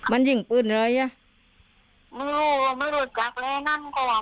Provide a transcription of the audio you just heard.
อ๋อมันยิ่งปืนอะไรนะ